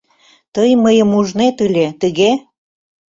— Тый мыйым ужнет ыле, тыге?